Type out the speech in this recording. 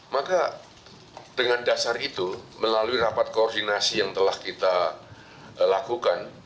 maka dengan dasar itu melalui rapat koordinasi yang telah kita lakukan